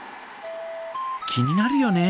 気になるよね。